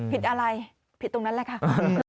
ผิดอะไรผิดตรงนั้นแหละค่ะ